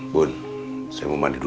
pun saya mau mandi dulu